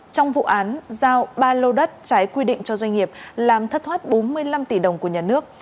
trong vụ án giao ba lô đất trái quy định cho doanh nghiệp làm thất thoát bốn mươi năm tỷ đồng của nhà nước